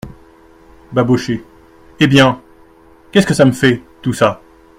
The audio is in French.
Babochet Eh bien ! qu'est-ce que ça me fait, tout ça ?